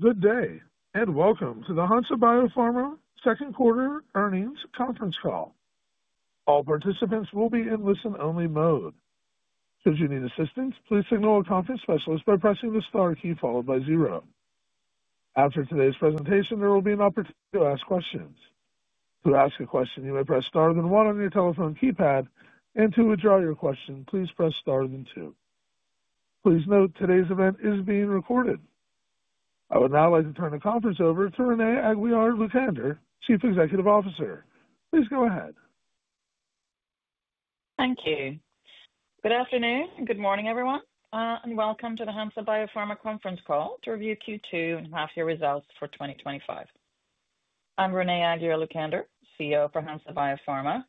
Good day, and welcome to the Hansa Biopharma second quarter earnings conference call. All participants will be in listen-only mode. Should you need assistance, please signal a conference specialist by pressing the Star key followed by zero. After today's presentation, there will be an opportunity to ask questions. To ask a question, you may press Star then one on your telephone keypad, and to withdraw your question, please press Star then two. Please note today's event is being recorded. I would now like to turn the conference over to Renée Aguiar-Lucander, Chief Executive Officer. Please go ahead. Thank you. Good afternoon and good morning, everyone, and welcome to the Hansa Biopharma conference call to review Q2 and half-year results for 2025. I'm Renée Aguiar-Lucander, CEO for Hansa Biopharma,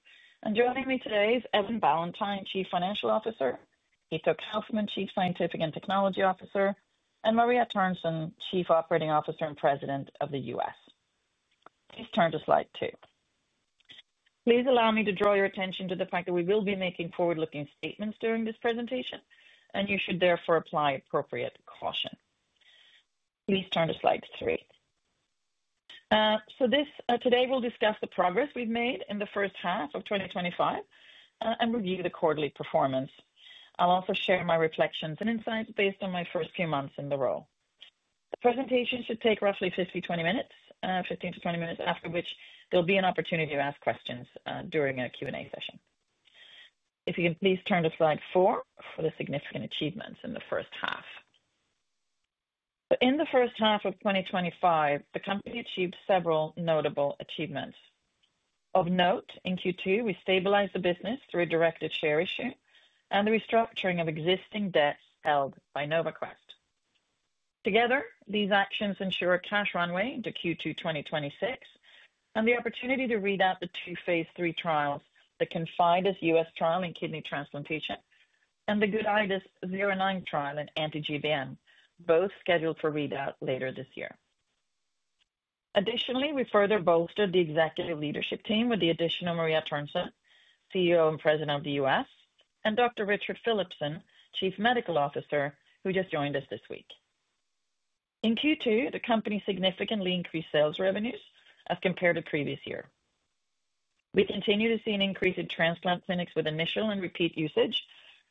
and joining me today is Evan Ballantyne, Chief Financial Officer, Hitto Kaufmann, Chief Scientific and Technology Officer, and Maria Törnsén, Chief Operating Officer and President of the US. Please turn to slide two. Please allow me to draw your attention to the fact that we will be making forward-looking statements during this presentation, and you should therefore apply appropriate caution. Please turn to slide three. Today we'll discuss the progress we've made in the first half of 2025 and review the quarterly performance. I'll also share my reflections and insights based on my first few months in the role. The presentation should take roughly 15-20 minutes, after which there'll be an opportunity to ask questions during a Q&A session. If you can please turn to slide four for the significant achievements in the first half. In the first half of 2025, the company achieved several notable achievements. Of note, in Q2, we stabilized the business through a directed share issue and the restructuring of existing debts held by NovaQuest. Together, these actions ensure a cash runway into Q2 2026 and the opportunity to read out the two Phase III trials, the CONFIDUS US trial in kidney transplantation and the GUIDUS-09 trial in anti-GBM, both scheduled for readout later this year. Additionally, we further bolstered the executive leadership team with the addition of Maria Törnsén, COO and President of the US, and Dr. Richard Philipson, Chief Medical Officer, who just joined us this week. In Q2, the company significantly increased sales revenues as compared to the previous year. We continue to see an increase in transplant clinics with initial and repeat usage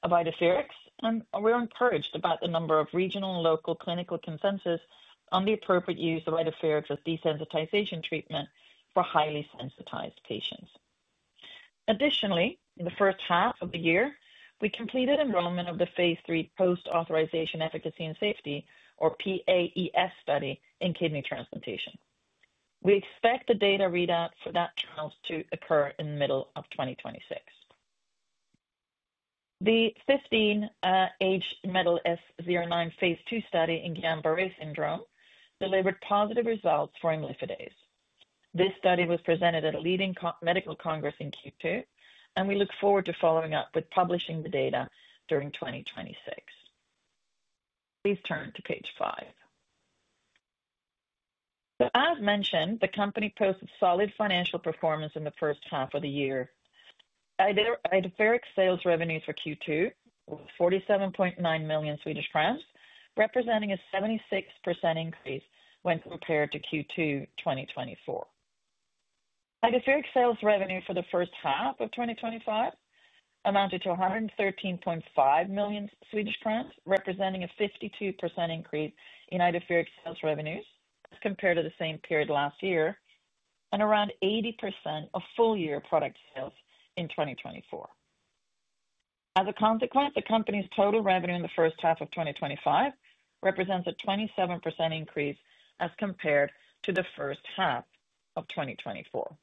of Idefirix, and we're encouraged about the number of regional and local clinical consensus on the appropriate use of Idefirix as desensitization treatment for highly sensitized patients. Additionally, in the first half of the year, we completed enrollment of the Phase III post-authorization efficacy and safety, or PAES, study in kidney transplantation. We expect the data readout for that trial to occur in the middle of 2026. The 15HNSA-09 Phase II study in Guillain-Barré syndrome delivered positive results for amyloid phase. This study was presented at a leading medical congress in Q2, and we look forward to following up with publishing the data during 2026. Please turn to page five. As mentioned, the company posted solid financial performance in the first half of the year. Idefirix sales revenues for Q2 were 47.9 million Swedish crowns, representing a 76% increase when compared to Q2 2024. Idefirix sales revenue for the first half of 2025 amounted to SEK 113.5 million, representing a 52% increase in Idefirix sales revenues as compared to the same period last year, and around 80% of full-year product sales in 2024. As a consequence, the company's total revenue in the first half of 2025 represents a 27% increase as compared to the first half of 2024.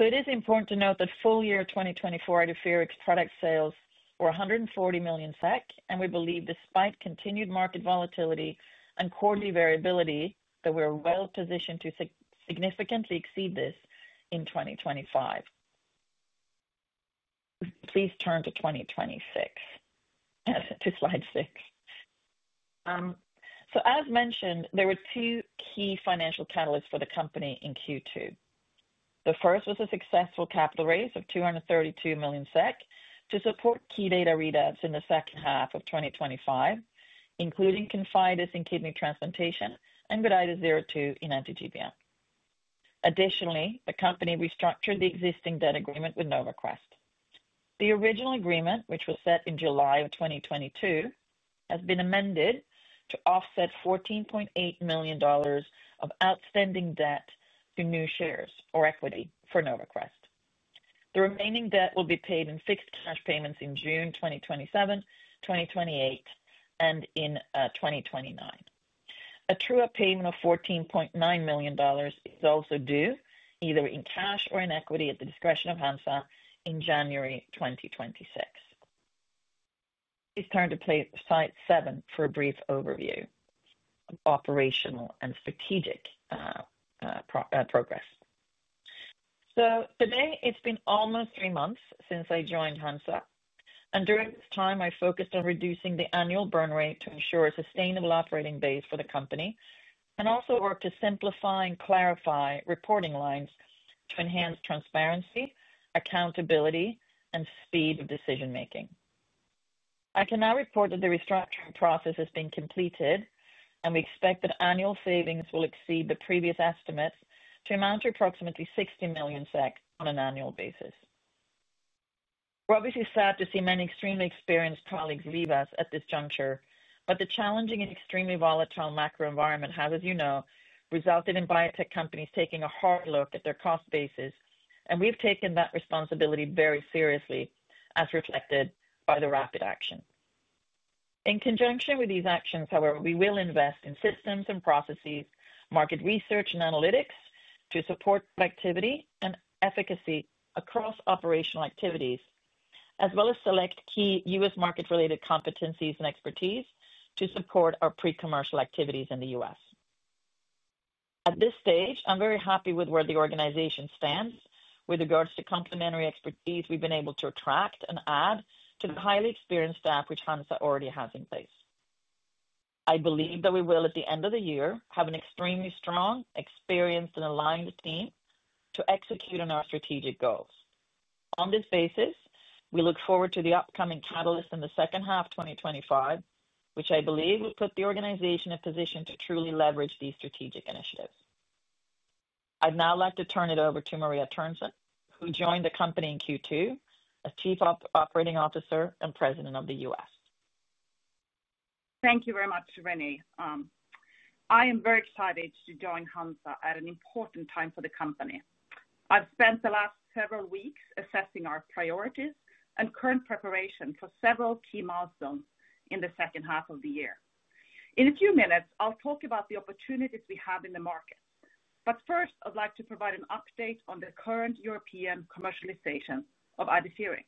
It is important to note that full-year 2024 Idefirix product sales were 140 million SEK, and we believe, despite continued market volatility and quarterly variability, that we're well positioned to significantly exceed this in 2025. Please turn to slide six. As mentioned, there were two key financial catalysts for the company in Q2. The first was a successful capital raise of 232 million SEK to support key data readouts in the second half of 2025, including CONFIDUS in kidney transplantation and GUIDUS-02 in anti-GBM. Additionally, the company restructured the existing debt agreement with NovaQuest. The original agreement, which was set in July of 2022, has been amended to offset $14.8 million of outstanding debt to new shares or equity for NovaQuest. The remaining debt will be paid in fixed cash payments in June 2027, 2028, and in 2029. A true-up payment of $14.9 million is also due, either in cash or in equity, at the discretion of Hansa Biopharma in January 2026. Please turn to slide seven for a brief overview of operational and strategic progress. Today, it's been almost three months since I joined Hansa Biopharma, and during this time, I focused on reducing the annual burn rate to ensure a sustainable operating base for the company and also worked to simplify and clarify reporting lines to enhance transparency, accountability, and speed of decision-making. I can now report that the restructuring process has been completed, and we expect that annual savings will exceed the previous estimates to amount to approximately 60 million SEK on an annual basis. We're obviously sad to see many extremely experienced colleagues leave us at this juncture, but the challenging and extremely volatile macro environment has, as you know, resulted in biotech companies taking a hard look at their cost basis, and we've taken that responsibility very seriously, as reflected by the rapid action. In conjunction with these actions, however, we will invest in systems and processes, market research and analytics to support productivity and efficacy across operational activities, as well as select key U.S. market-related competencies and expertise to support our pre-commercial activities in the U.S. At this stage, I'm very happy with where the organization stands with regards to complementary expertise we've been able to attract and add to the highly experienced staff, which Hansa Biopharma already has in place. I believe that we will, at the end of the year, have an extremely strong, experienced, and aligned team to execute on our strategic goals. On this basis, we look forward to the upcoming catalyst in the second half of 2025, which I believe will put the organization in a position to truly leverage these strategic initiatives. I'd now like to turn it over to Maria Törnsén, who joined the company in Q2 as Chief Operating Officer and President of the U.S. Thank you very much, Renée. I am very excited to join Hansa Biopharma at an important time for the company. I've spent the last several weeks assessing our priorities and current preparation for several key milestones in the second half of the year. In a few minutes, I'll talk about the opportunities we have in the market. First, I'd like to provide an update on the current European commercialization of Idefirix.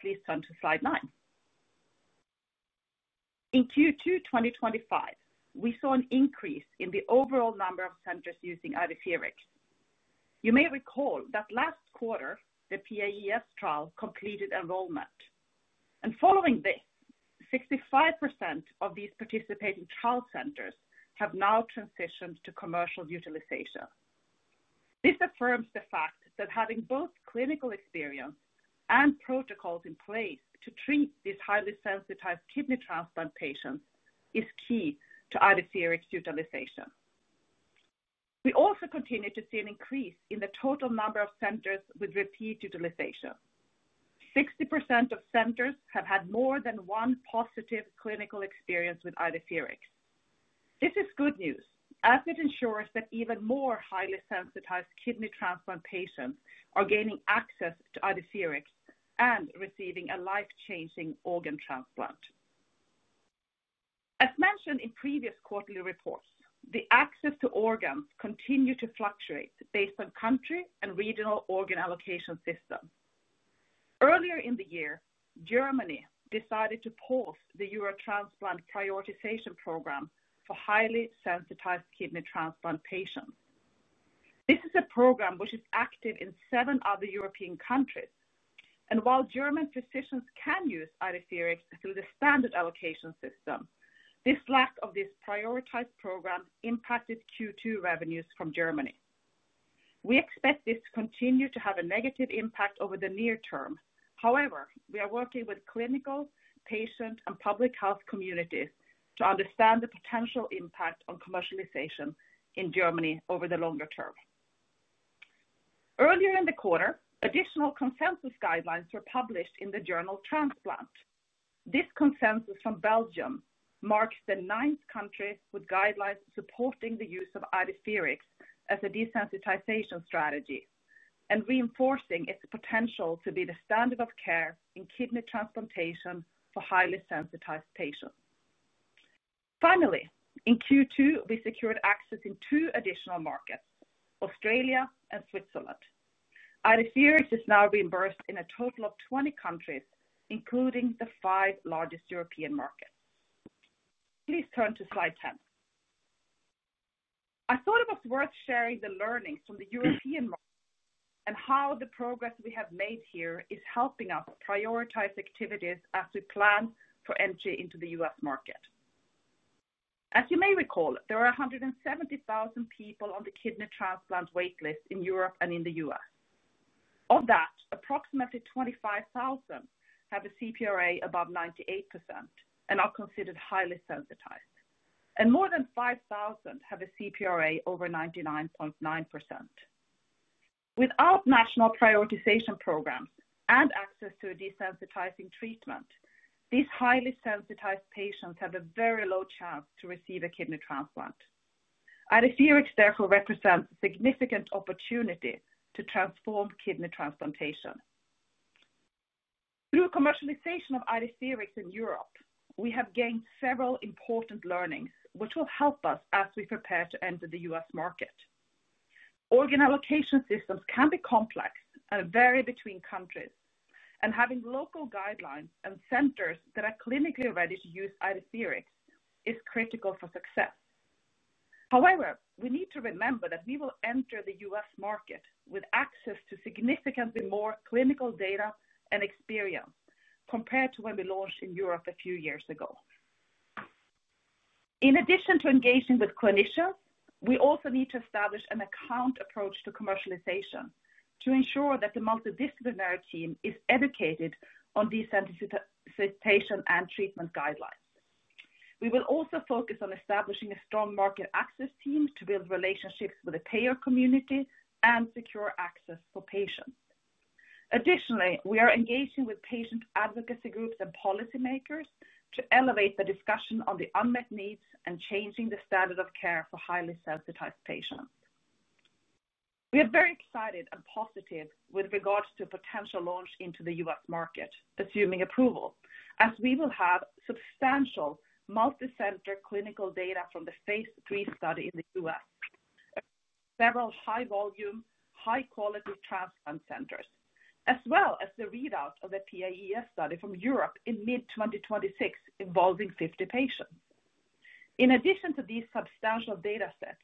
Please turn to slide nine. In Q2 2025, we saw an increase in the overall number of centers using Idefirix. You may recall that last quarter, the PAES trial completed enrollment, and following this, 65% of these participating trial centers have now transitioned to commercial utilization. This affirms the fact that having both clinical experience and protocols in place to treat these highly sensitized kidney transplant patients is key to Idefirix utilization. We also continue to see an increase in the total number of centers with repeat utilization. 60% of centers have had more than one positive clinical experience with Idefirix. This is good news, as it ensures that even more highly sensitized kidney transplant patients are gaining access to Idefirix and receiving a life-changing organ transplant. As mentioned in previous quarterly reports, the access to organs continues to fluctuate based on country and regional organ allocation system. Earlier in the year, Germany decided to pause the Eurotransplant prioritization program for highly sensitized kidney transplant patients. This is a program which is active in seven other European countries, and while German physicians can use Idefirix through the standard allocation system, this lack of this prioritized program impacted Q2 revenues from Germany. We expect this to continue to have a negative impact over the near term. However, we are working with clinical, patient, and public health communities to understand the potential impact on commercialization in Germany over the longer-term. Earlier in the quarter, additional consensus guidelines were published in the journal Transplant. This consensus from Belgium marks the ninth country with guidelines supporting the use of Idefirix as a desensitization strategy and reinforcing its potential to be the standard of care in kidney transplantation for highly sensitized patients. Finally, in Q2, we secured access in two additional markets: Australia and Switzerland. Idefirix is now reimbursed in a total of 20 countries, including the five largest European markets. Please turn to slide 10. I thought it was worth sharing the learnings from the European market and how the progress we have made here is helping us prioritize activities as we plan for entry into the U.S. market. As you may recall, there are 170,000 people on the kidney transplant waitlist in Europe and in the U.S. Of that, approximately 25,000 have a CPRA above 98% and are considered highly sensitized, and more than 5,000 have a CPRA over 99.9%. Without national prioritization programs and access to a desensitizing treatment, these highly sensitized patients have a very low chance to receive a kidney transplant. Idefirix therefore represents a significant opportunity to transform kidney transplantation. Through commercialization of Idefirix in Europe, we have gained several important learnings, which will help us as we prepare to enter the U.S. market. Organ allocation systems can be complex and vary between countries, and having local guidelines and centers that are clinically ready to use Idefirix is critical for success. However, we need to remember that we will enter the U.S. market with access to significantly more clinical data and experience compared to when we launched in Europe a few years ago. In addition to engaging with clinicians, we also need to establish an account approach to commercialization to ensure that the multidisciplinary team is educated on desensitization and treatment guidelines. We will also focus on establishing a strong market access team to build relationships with the payer community and secure access for patients. Additionally, we are engaging with patient advocacy groups and policymakers to elevate the discussion on the unmet needs and changing the standard of care for highly sensitized patients. We are very excited and positive with regards to a potential launch into the U.S. market, assuming approval, as we will have substantial multicenter clinical data from the Phase III study in the U.S., several high-volume, high-quality transplant centers, as well as the readout of the PAES study from Europe in mid-2026 involving 50 patients. In addition to these substantial data sets,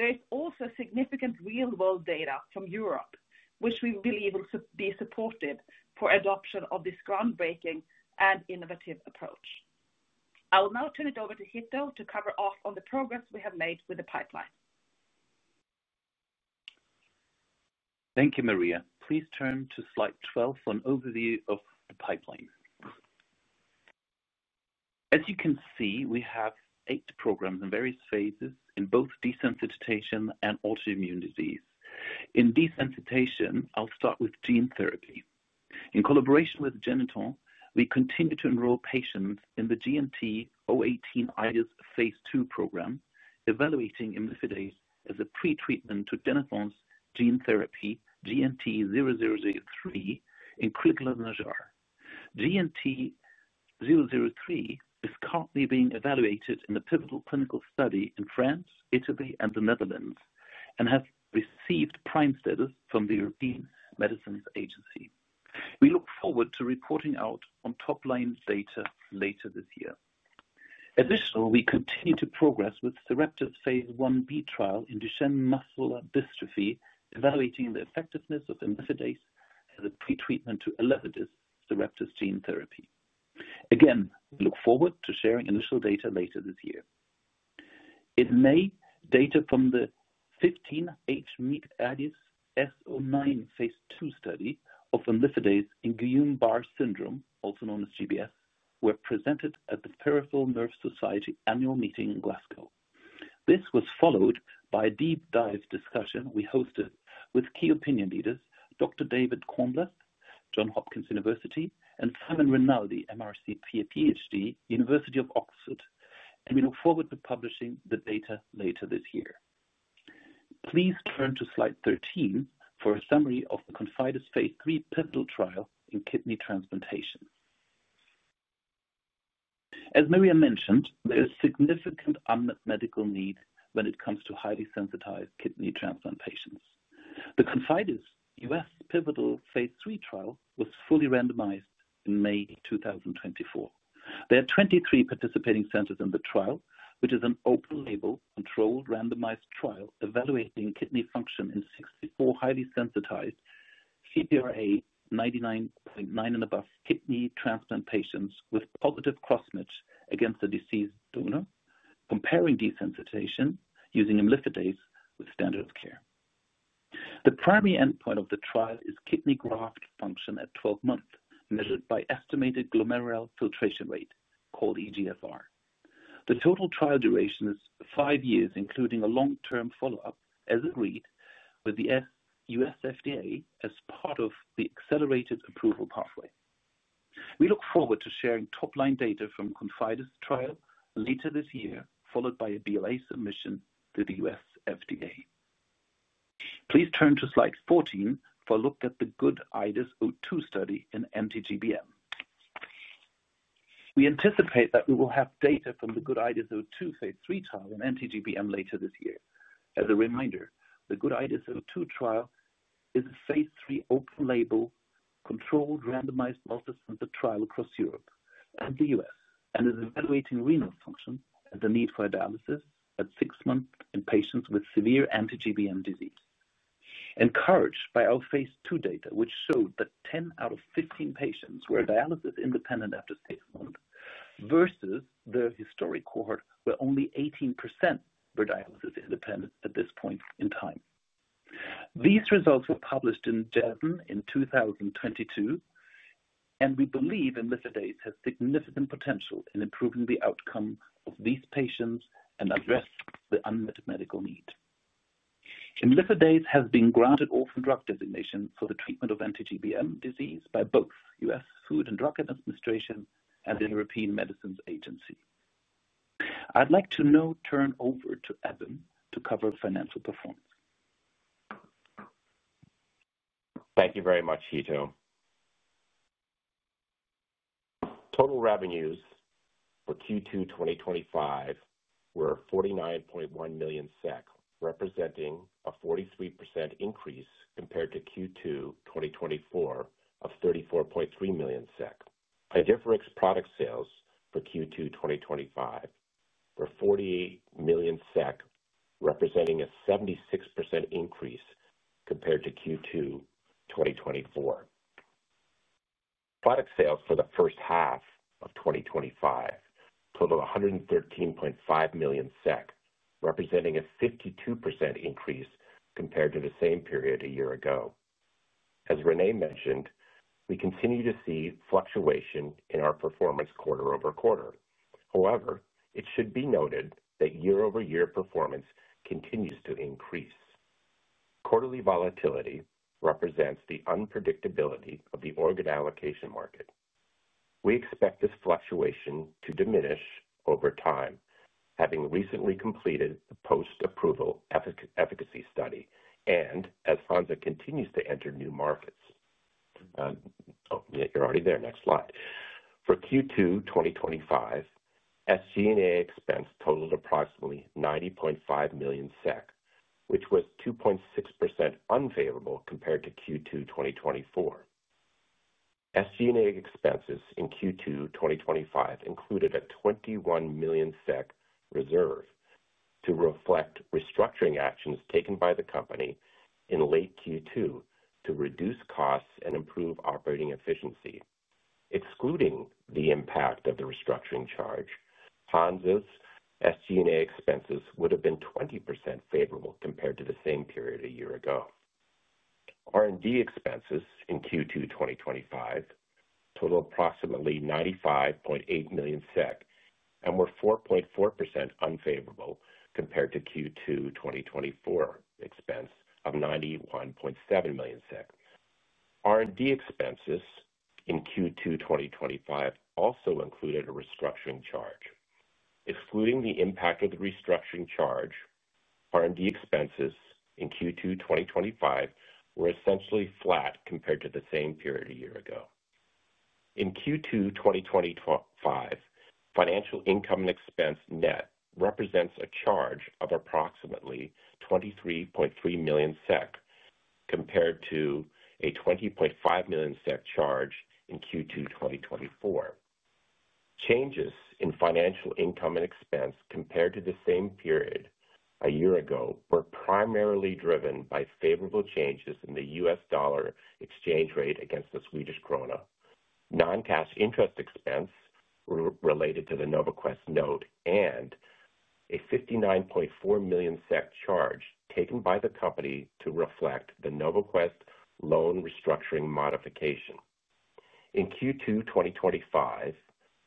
there is also significant real-world data from Europe, which we believe will be supportive for adoption of this groundbreaking and innovative approach. I will now turn it over to Hitto to cover off on the progress we have made with the pipeline. Thank you, Maria. Please turn to slide 12 for an overview of the pipeline. As you can see, we have eight programs in various phases in both desensitization and autoimmune disease. In desensitization, I'll start with gene therapy. In collaboration with Genethon, we continue to enroll patients in the GNT-018 imlifidase Phase II program, evaluating imlifidase as a pretreatment to Genethon's gene therapy GNT-003 in clinical laboratories. GNT-003 is currently being evaluated in a pivotal clinical study in France, Italy, and the Netherlands, and has received PRIME status from the European Medicines Agency. We look forward to reporting out on top-line data later this year. Additionally, we continue to progress with the Sarepta Therapeutics Phase IB trial in Duchenne muscular dystrophy, evaluating the effectiveness of imlifidase as a pretreatment to Sarepta Therapeutics gene therapy. Again, we look forward to sharing initial data later this year. In May, data from the 15H-MEK imlifidase S-09 Phase II study of imlifidase in Guillain-Barré syndrome, also known as GBS, were presented at the Peripheral Nerve Society annual meeting in Glasgow. This was followed by a deep dive discussion we hosted with key opinion leaders Dr. David Cornblath from Johns Hopkins University and Simon Rinaldi, MRCP PhD, University of Oxford, and we look forward to publishing the data later this year. Please turn to slide 13 for a summary of the CONFIDUS Phase III pivotal trial in kidney transplantation. As Maria mentioned, there is significant unmet medical need when it comes to highly sensitized kidney transplant patients. The CONFIDUS U.S. pivotal Phase III trial was fully randomized in May 2024. There are 23 participating centers in the trial, which is an open-label, controlled, randomized trial evaluating kidney function in 64 highly sensitized, CPRA 99.9% and above kidney transplant patients with positive cross-match against a deceased donor, comparing desensitization using imlifidase with standard of care. The primary endpoint of the trial is kidney graft function at 12 months, measured by estimated glomerular filtration rate, called eGFR. The total trial duration is five years, including a long-term follow-up as agreed with the U.S. FDA as part of the accelerated approval pathway. We look forward to sharing top-line data from the CONFIDUS trial later this year, followed by a BLA submission to the U.S. FDA. Please turn to slide 14 for a look at the GUIDUS-02 study in anti-GBM. We anticipate that we will have data from the GUIDUS-02 Phase III trial in anti-GBM later this year. As a reminder, the GUIDUS-02 trial is a Phase III open-label, controlled, randomized multicenter trial across Europe and the U.S. and is evaluating renal function and the need for dialysis at six months in patients with severe anti-GBM disease. Encouraged by our Phase II data, which showed that 10 out of 15 patients were dialysis-independent after six months versus the historic cohort where only 18% were dialysis-independent at this point in time. These results were published in JAMA in 2022, and we believe imlifidase has significant potential in improving the outcome of these patients and address the unmet medical need. Imlifidase has been granted orphan drug designation for the treatment of anti-GBM disease by both the US Food and Drug Administration and the European Medicines Agency. I'd like to now turn over to Evan to cover financial performance. Thank you very much, Hitto. Total revenues for Q2 2025 were 49.1 million SEK, representing a 43% increase compared to Q2 2024 of 34.3 million SEK. Idefirix product sales for Q2 2025 were 48 million SEK, representing a 76% increase compared to Q2 2024. Product sales for the first half of 2025 totaled 113.5 million SEK, representing a 52% increase compared to the same period a year ago. As Renée mentioned, we continue to see fluctuation in our performance quarter over quarter. However, it should be noted that year-over-year performance continues to increase. Quarterly volatility represents the unpredictability of the organ allocation market. We expect this fluctuation to diminish over time, having recently completed a post-authorization efficacy study and as Hansa Biopharma continues to enter new markets. Next slide. For Q2 2025, SG&A expense totaled approximately 90.5 million SEK, which was 2.6% unfavorable compared to Q2 2024. SG&A expenses in Q2 2025 included a 21 million SEK reserve to reflect restructuring actions taken by the company in late Q2 to reduce costs and improve operating efficiency. Excluding the impact of the restructuring charge, Hansa Biopharma's SG&A expenses would have been 20% favorable compared to the same period a year ago. R&D expenses in Q2 2025 totaled approximately 95.8 million SEK and were 4.4% unfavorable compared to Q2 2024 expense of 91.7 million SEK. R&D expenses in Q2 2025 also included a restructuring charge. Excluding the impact of the restructuring charge, R&D expenses in Q2 2025 were essentially flat compared to the same period a year ago. In Q2 2025, financial income and expense net represents a charge of approximately 23.3 million SEK compared to a 20.5 million SEK charge in Q2 2024. Changes in financial income and expense compared to the same period a year ago were primarily driven by favorable changes in the U.S. dollar exchange rate against the Swedish krona, non-cash interest expense related to the NovaQuest note, and a 59.4 million SEK charge taken by the company to reflect the NovaQuest loan restructuring modification. In Q2 2025,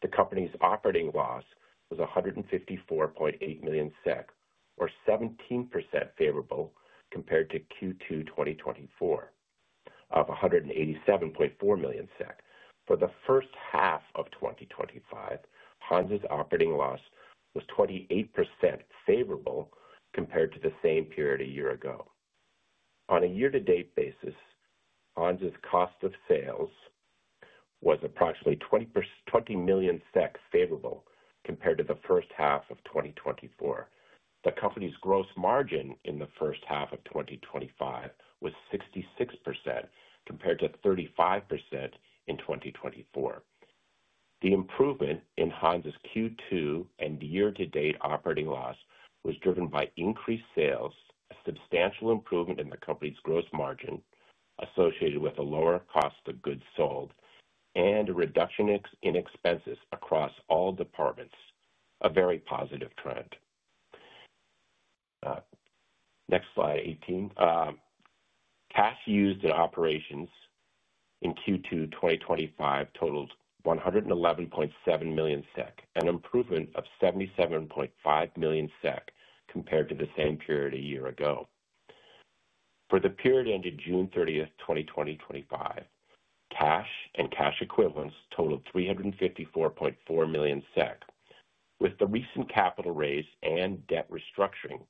the company's operating loss was 154.8 million SEK, or 17% favorable compared to Q2 2024, of 187.4 million SEK. For the first half of 2025, Hansa Biopharma's operating loss was 28% favorable compared to the same period a year ago. On a year-to-date basis, Hansa Biopharma's cost of sales was approximately 20 million favorable compared to the first half of 2024. The company's gross margin in the first half of 2025 was 66% compared to 35% in 2024. The improvement in Hansa's Q2 and year-to-date operating loss was driven by increased sales, a substantial improvement in the company's gross margin associated with a lower cost of goods sold, and a reduction in expenses across all departments, a very positive trend. Next slide 18. Cash used in operations in Q2 2025 totaled 111.7 million SEK, an improvement of 77.5 million SEK compared to the same period a year ago. For the period ended June 30, 2025, cash and cash equivalents totaled 354.4 million SEK. With the recent capital raise and debt restructuring,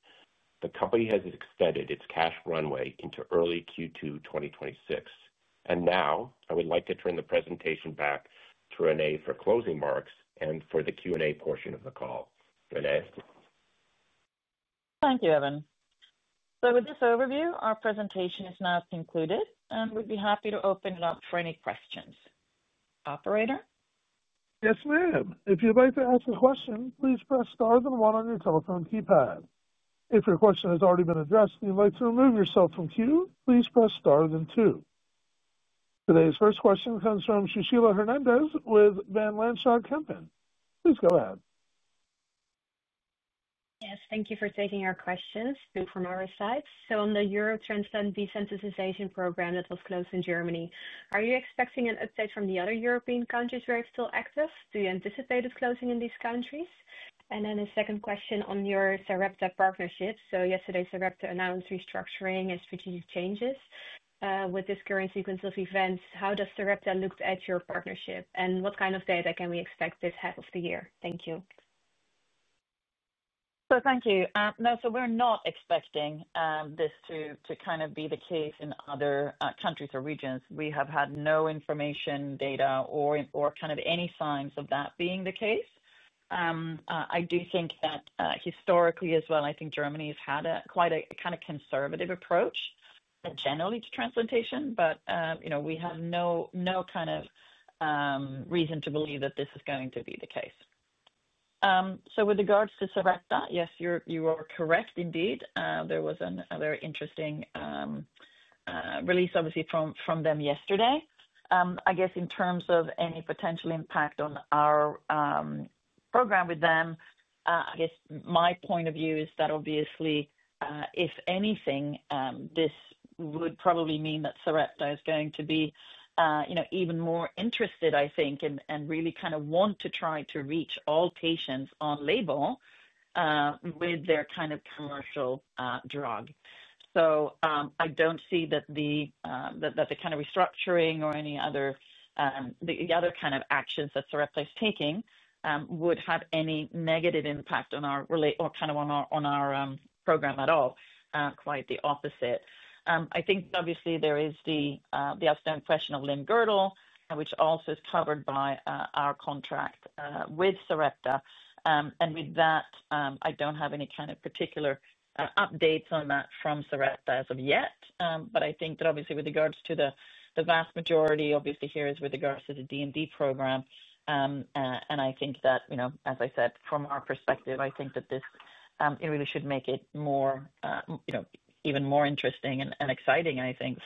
the company has extended its cash runway into early Q2 2026. I would like to turn the presentation back to Renée for closing marks and for the Q&A portion of the call. Renée. Thank you, Evan. With this overview, our presentation is now concluded, and we'd be happy to open it up for any questions. Operator? Yes, ma'am. If you'd like to ask a question, please press star then one on your telephone keypad. If your question has already been addressed and you'd like to remove yourself from queue, please press star then two. Today's first question comes from Sushila Hernandez with Van Lanschot Kempen. Please go ahead. Yes, thank you for taking our questions from our side. On the Eurotransplant desensitization program that was closed in Germany, are you expecting an update from the other European countries where it's still active? Do you anticipate it closing in these countries? A second question on your Sarepta Therapeutics partnership. Yesterday, Sarepta Therapeutics announced restructuring and strategic changes. With this current sequence of events, how does Sarepta Therapeutics look at your partnership, and what kind of data can we expect this half of the year? Thank you. Thank you. No, we're not expecting this to be the case in other countries or regions. We have had no information, data, or any signs of that being the case. I do think that historically as well, I think Germany has had quite a conservative approach generally to transplantation, but we have no reason to believe that this is going to be the case. With regards to Sarepta Therapeutics, yes, you are correct indeed. There was a very interesting release, obviously, from them yesterday. I guess in terms of any potential impact on our program with them, my point of view is that obviously, if anything, this would probably mean that Sarepta Therapeutics is going to be even more interested, I think, and really want to try to reach all patients on label with their commercial drug. I don't see that the restructuring or any other actions that Sarepta Therapeutics is taking would have any negative impact on our program at all. Quite the opposite. Obviously, there is the outstanding question of limb girdle, which also is covered by our contract with Sarepta Therapeutics, and with that, I don't have any particular updates on that from Sarepta Therapeutics as of yet. With regards to the vast majority, here is with regards to the DMD program, and as I said, from our perspective, I think that this really should make it even more interesting and exciting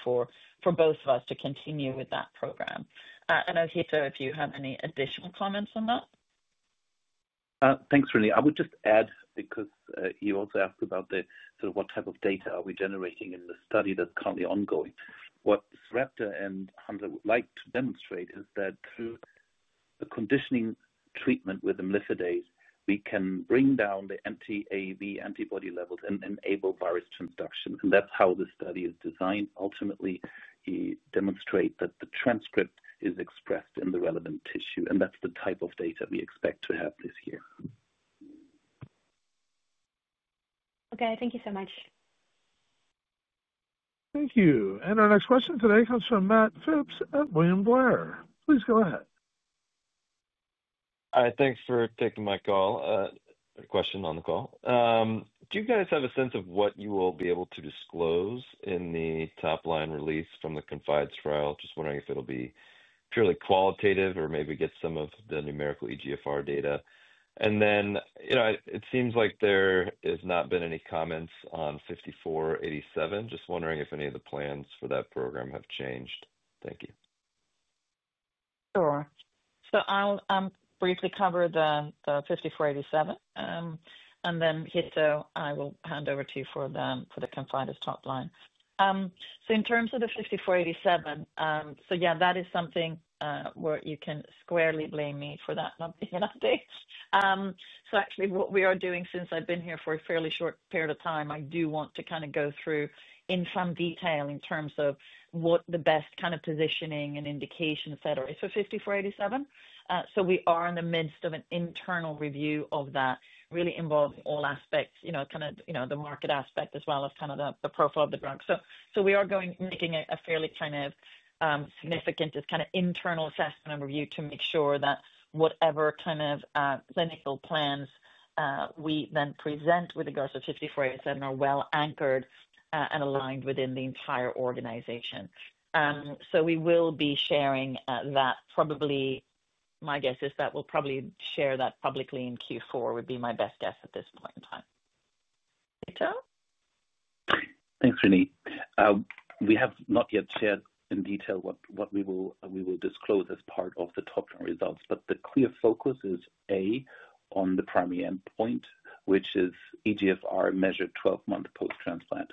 for both of us to continue with that program. I'll hear if you have any additional comments on that. Thanks, Renée. I would just add, because you also asked about the sort of what type of data are we generating in the study that's currently ongoing. What Sarepta and Hansa would like to demonstrate is that through a conditioning treatment with imlifidase, we can bring down the anti-AAV antibody levels and enable virus transduction, and that's how the study is designed. Ultimately, we demonstrate that the transcript is expressed in the relevant tissue, and that's the type of data we expect to have this year. Okay, thank you so much. Thank you. Our next question today comes from Matthew Phipps at William Blair & Company L.L.C. Please go ahead. Hi, thanks for taking my call. A question on the call. Do you guys have a sense of what you will be able to disclose in the top-line release from the CONFIDUS trial? Just wondering if it'll be purely qualitative or maybe get some of the numerical eGFR data. It seems like there have not been any comments on HNSA-5487. Just wondering if any of the plans for that program have changed. Thank you. Sure. I'll briefly cover the HNSA-5487, and then Hitto, I will hand over to you for the CONFIDUS top line. In terms of the HNSA-5487, that is something where you can squarely blame me for that not being an update. Actually, what we are doing since I've been here for a fairly short period of time, I do want to kind of go through in some detail in terms of what the best kind of positioning and indication, et cetera, is for HNSA-5487. We are in the midst of an internal review of that, really involves all aspects, the market aspect as well as the profile of the drug. We are making a fairly significant internal assessment and review to make sure that whatever clinical plans we then present with regards to HNSA-5487 are well anchored and aligned within the entire organization. We will be sharing that probably, my guess is that we'll probably share that publicly in Q4 would be my best guess at this point in time. Hitto, please. Thanks, Renée. We have not yet shared in detail what we will disclose as part of the top-line results, but the clear focus is, A, on the primary endpoint, which is eGFR measured 12 months post-transplant.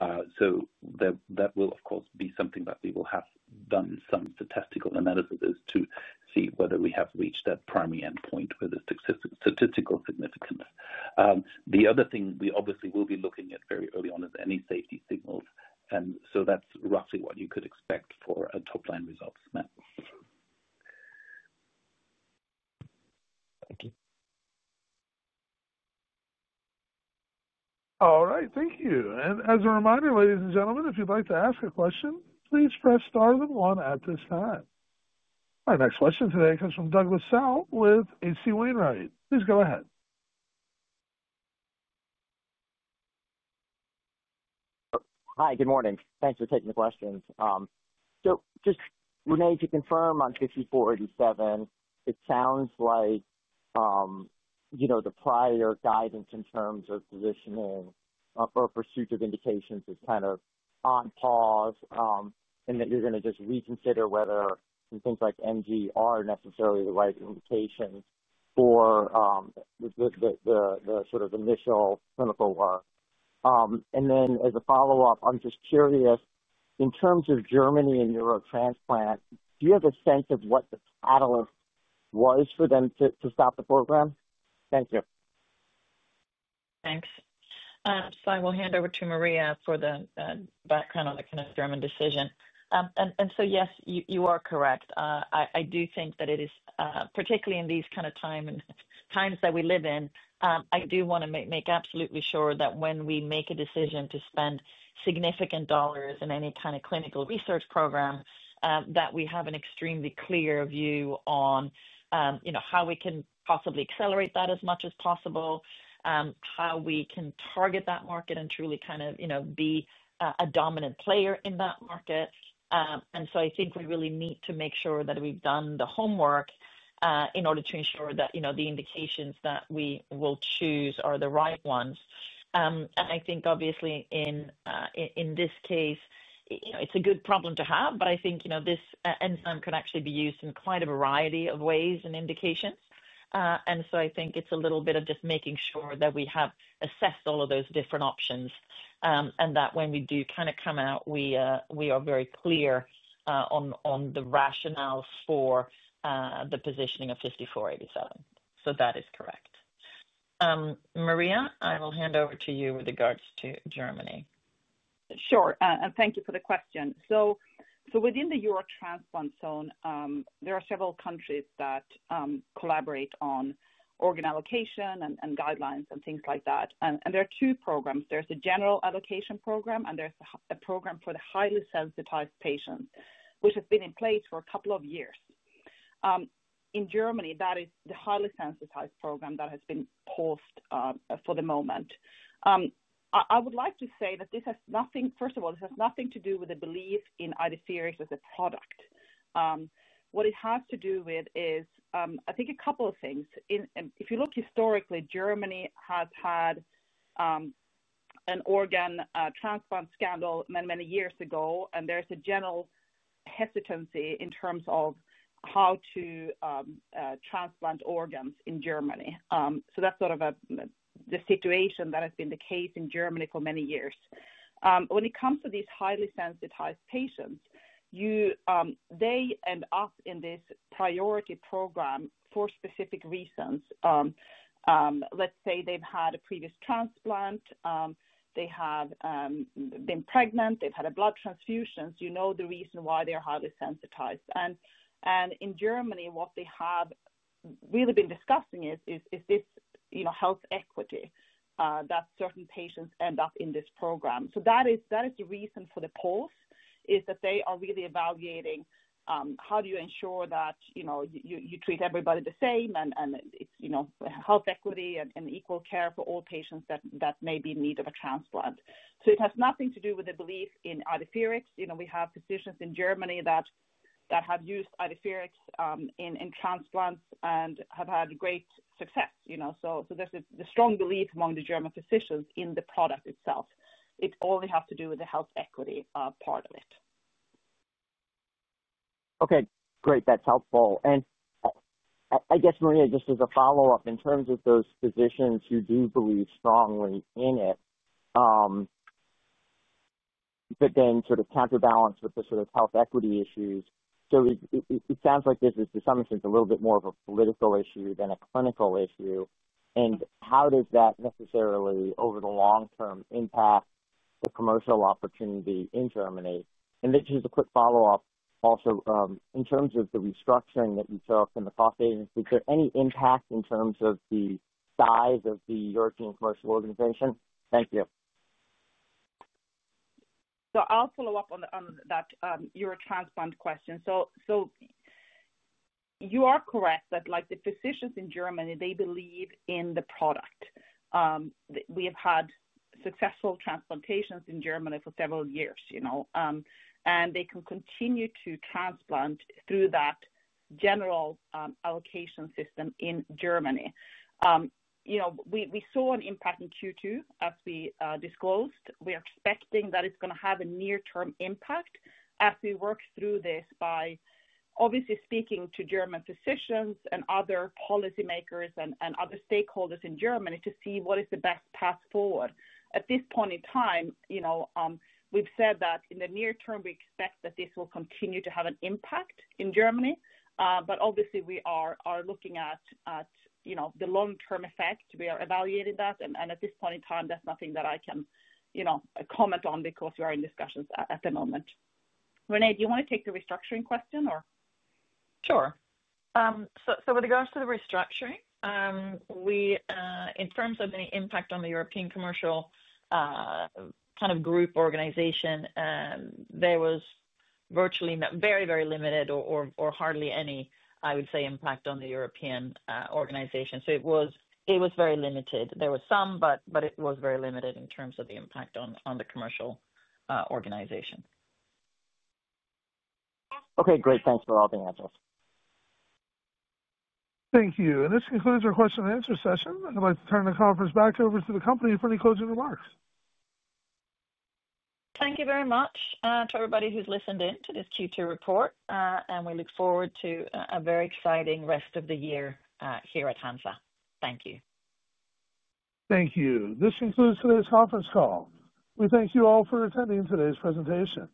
That will, of course, be something that we will have done some statistical analysis to see whether we have reached that primary endpoint with a statistical significance. The other thing we obviously will be looking at very early on is any safety signals, and that's roughly what you could expect for a top-line result. All right, thank you. As a reminder, ladies and gentlemen, if you'd like to ask a question, please press star then one at this time. Our next question today comes from Douglas Tsao with H.C. Wainwright. Please go ahead. Hi, good morning. Thanks for taking the questions. Renée, to confirm on HNSA-5487, it sounds like the prior guidance in terms of positioning or pursuit of indications is kind of on pause and that you're going to just reconsider whether things like MG are necessarily the right indication for the sort of initial clinical work. As a follow-up, I'm just curious, in terms of Germany and Eurotransplant, do you have a sense of what the catalyst was for them to stop the program? Thank you. Thanks. I will hand over to Maria for the background on the kind of German decision. Yes, you are correct. I do think that it is, particularly in these times that we live in, I do want to make absolutely sure that when we make a decision to spend significant dollars in any kind of clinical research program, we have an extremely clear view on how we can possibly accelerate that as much as possible, how we can target that market and truly be a dominant player in that market. I think we really need to make sure that we've done the homework in order to ensure that the indications that we will choose are the right ones. Obviously, in this case, it's a good problem to have, but I think this enzyme can actually be used in quite a variety of ways and indications. I think it's a little bit of just making sure that we have assessed all of those different options and that when we do come out, we are very clear on the rationale for the positioning of HNSA-5487. That is correct. Maria, I will hand over to you with regards to Germany. Sure, and thank you for the question. Within the Eurotransplant zone, there are several countries that collaborate on organ allocation and guidelines and things like that. There are two programs. There's a general allocation program, and there's a program for the highly sensitized patients, which has been in place for a couple of years. In Germany, that is the highly sensitized program that has been paused for the moment. I would like to say that this has nothing, first of all, this has nothing to do with the belief in Idefirix as a product. What it has to do with is, I think, a couple of things. If you look historically, Germany has had an organ transplant scandal many years ago, and there's a general hesitancy in terms of how to transplant organs in Germany. That's the situation that has been the case in Germany for many years. When it comes to these highly sensitized patients, they end up in this priority program for specific reasons. Let's say they've had a previous transplant, they have been pregnant, they've had a blood transfusion, so you know the reason why they're highly sensitized. In Germany, what they have really been discussing is this health equity, that certain patients end up in this program. That is the reason for the pause, is that they are really evaluating how do you ensure that, you know, you treat everybody the same and it's, you know, health equity and equal care for all patients that may be in need of a transplant. It has nothing to do with the belief in Idefirix. You know, we have physicians in Germany that have used Idefirix in transplants and have had great success, you know. There is a strong belief among the German physicians in the product itself. It only has to do with the health equity part of it. Okay, great, that's helpful. I guess, Maria, just as a follow-up, in terms of those physicians who do believe strongly in it, but then sort of counterbalance with the sort of health equity issues, it sounds like this is, to some extent, a little bit more of a political issue than a clinical issue. How does that necessarily, over the long-term, impact the commercial opportunity in Germany? Let's use a quick follow-up also, in terms of the restructuring that you took and the cost savings, is there any impact in terms of the size of the European Commercial Organization? Thank you. I'll follow up on that Eurotransplant question. You are correct that, like the physicians in Germany, they believe in the product. We have had successful transplantations in Germany for several years, and they can continue to transplant through that general allocation system in Germany. We saw an impact in Q2, as we disclosed. We are expecting that it's going to have a near-term impact as we work through this by obviously speaking to German physicians and other policymakers and other stakeholders in Germany to see what is the best path forward. At this point in time, we've said that in the near term, we expect that this will continue to have an impact in Germany, but obviously, we are looking at the long-term effect. We are evaluating that, and at this point in time, that's nothing that I can comment on because we are in discussions at the moment. Renée, do you want to take the restructuring question or? Sure. With regards to the restructuring, in terms of the impact on the European Commercial kind of group organization, there was virtually very, very limited or hardly any, I would say, impact on the European organization. It was very limited. There was some, but it was very limited in terms of the impact on the commercial organization. Okay, great, thanks for all the answers. Thank you. This concludes our question-and answer session. I'd like to turn the conference back over to the company for any closing remarks. Thank you very much to everybody who's listened in to this Q2 report, and we look forward to a very exciting rest of the year here at Hansa Biopharma. Thank you. Thank you. This concludes today's conference call. We thank you all for attending today's presentation.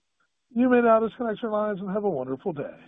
You may now disconnect your lines and have a wonderful day.